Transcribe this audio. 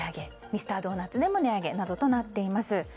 ミスタードーナツでも値上げなどとなっています。